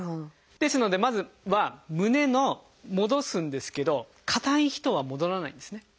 ですのでまずは胸の戻すんですけど硬い人は戻らないんですね。